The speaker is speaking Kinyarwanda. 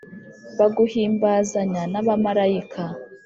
baguhimbazanya n'abamalayika,